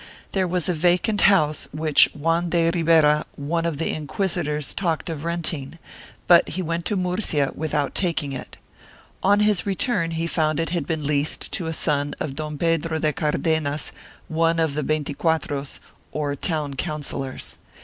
There was a vacant house which Juan de Ribera, one of the inquisitors, talked of renting, but he went to Murcia without taking it. On his return he found that it had been leased to a son of Don Pedro de Cardenas, one of the veinticuatros, or town councillors.